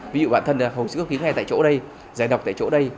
ví dụ bản thân là hồ sức cấp cứu nghe tại chỗ đây giải đọc tại chỗ đây